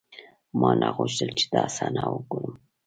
ما نه غوښتل چې دا صحنه وګورم.